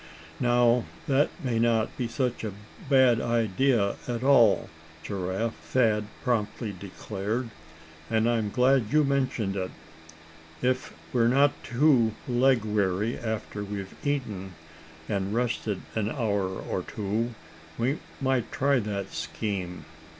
"Now, that may not be such a bad idea at all, Giraffe," Thad promptly declared. "And I'm glad you mentioned it. If we're not too leg weary after we've eaten, and rested an hour or two, we might try that scheme."